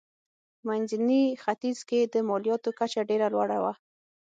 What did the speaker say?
په منځني ختیځ کې د مالیاتو کچه ډېره لوړه وه.